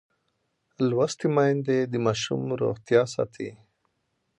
لوستې میندې د ماشوم روغتیا ساتي.